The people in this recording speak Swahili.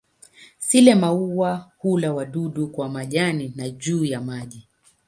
Sile-maua hula wadudu kwa majani na juu ya maji.